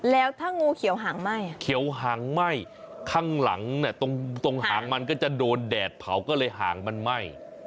แล้วถ้างูเขียวหางไหม้เขียวหางไหม้ข้างหลังเนี่ยตรงหางมันก็จะโดนแดดเผาก็เลยหางมันไหม้